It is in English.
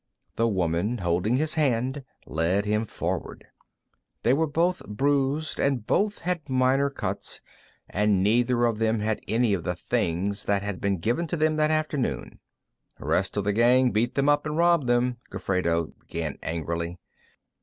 The woman, holding his hand, led him forward. They were both bruised, and both had minor cuts, and neither of them had any of the things that had been given to them that afternoon. "Rest of the gang beat them up and robbed them," Gofredo began angrily.